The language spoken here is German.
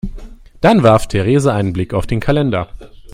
Dann warf Theresa einen Blick auf den Kalender.